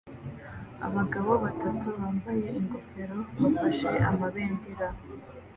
Abagabo batatu bambaye ingofero bafashe amabendera